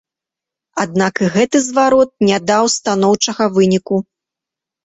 Аднак і гэты зварот не даў станоўчага выніку.